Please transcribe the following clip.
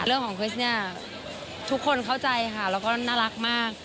เรื่องของควิสเนี่ยทุกคนเข้าใจค่ะแล้วก็น่ารักมาก